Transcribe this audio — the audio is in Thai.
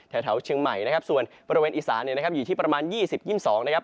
แถวเชียงใหม่นะครับส่วนบริเวณอีสานเนี่ยนะครับอยู่ที่ประมาณ๒๐๒๒นะครับ